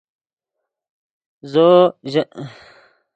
زو ژے نغن خوڑان پیرو یاغو چے شامم